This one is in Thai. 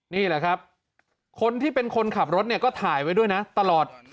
นี่แหละครับคนที่เป็นคนขับรถเนี่ยก็ถ่ายไว้ด้วยนะตลอด